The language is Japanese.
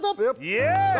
イエーイ！